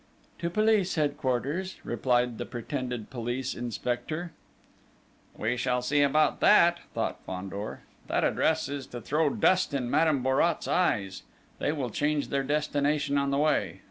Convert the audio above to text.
"To Police Headquarters," replied the pretended police inspector. "We shall see about that!" thought Fandor. "That address is to throw dust in Madame Bourrat's eyes. They will change their destination on the way.